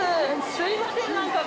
すいません何か。